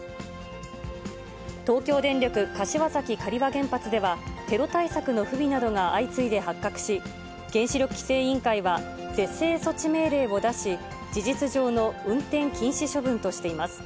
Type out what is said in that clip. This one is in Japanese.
東京電力柏崎刈羽原発では、テロ対策の不備などが相次いで発覚し、原子力規制委員会は、是正措置命令を出し、事実上の運転禁止処分としています。